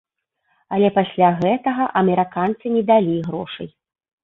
Але пасля гэтага амерыканцы не далі грошай.